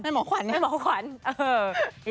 แม่หมอขวัญน่ะครับแม่หมอขวัญอ่ะหือ